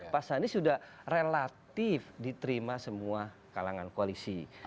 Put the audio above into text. pas ini sudah relatif diterima semua kalangan koalisi